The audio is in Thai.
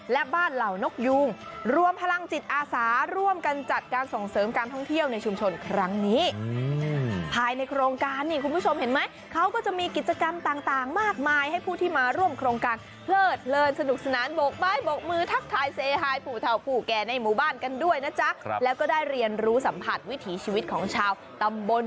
และบ้านเหล่านกยูงรวมพลังจิตอาสาร่วมกันจัดการส่งเสริมการท่องเที่ยวในชุมชนครั้งนี้ภายในโครงการนี่คุณผู้ชมเห็นไหมเขาก็จะมีกิจกรรมต่างมากมายให้ผู้ที่มาร่วมโครงการเพลิดเพลินสนุกสนานโบกไม้โบกมือทักทายเซฮายผู้เท่าผู้แก่ในหมู่บ้านกันด้วยนะจ๊ะแล้วก็ได้เรียนรู้สัมผัสวิถีชีวิตของชาวตำบล